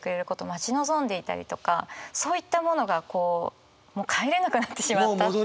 待ち望んでいたりとかそういったものがもう帰れなくなってしまったっていう。